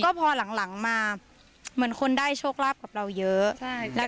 พอหลังมาเหมือนคนได้โชคลาภกับเราเยอะ